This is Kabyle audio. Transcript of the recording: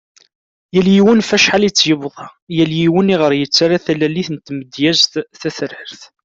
Yal yiwen ɣef acḥal i tt-yebḍa, yal yiwen i ɣer yettara talalit n tmedyazt tatrart .